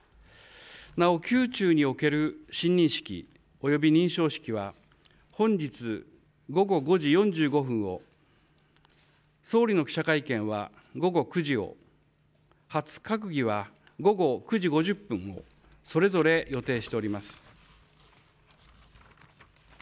なお、宮中における親任式、および認証式は、本日午後５時４５分を、総理の記者会見は午後９時を、初閣議は午後９時５０分を、それぞれ予定しております。